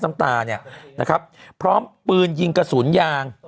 น้ำตาเนี่ยนะครับพร้อมปืนยิงกระสุนยาง